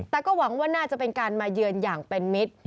แต่ก็หวังว่าน่าจะเป็นการมาเยือนอย่างเป็นมิตร